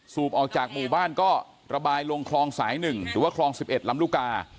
ออกจากหมู่บ้านก็ระบายลงคลองสาย๑หรือว่าคลอง๑๑ลำลูกกา